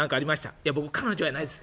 「いや僕彼女やないです。